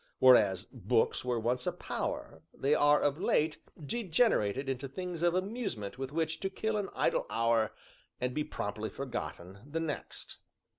Whereas books were once a power, they are, of late, degenerated into things of amusement with which to kill an idle hour, and be promptly forgotten the next."